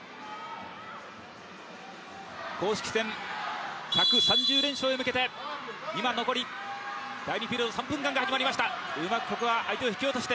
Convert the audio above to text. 公式戦１３０連勝へ向けて、第２ピリオド、３分間が始まりました